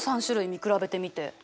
３種類見比べてみて。